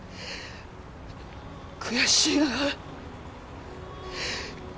悔しいなあ